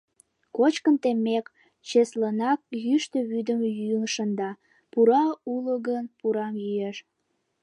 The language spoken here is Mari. Кочкын теммек, чеслынак йӱштӧ вӱдым йӱын шында, пура уло гын, пурам йӱэш.